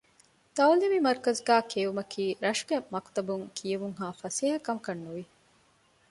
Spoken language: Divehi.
ތަޢުލީމީ މަރުކަޒުގައި ކިޔެވުމަކީ ރަށުގެ މަކުތަބުން ކިޔެވުންހާ ފަސޭހަ ކަމަކަށް ނުވި